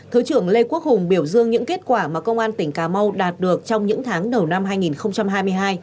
thứ trưởng lê quốc hùng biểu dương những kết quả mà công an tỉnh cà mau đạt được trong những tháng đầu năm hai nghìn hai mươi hai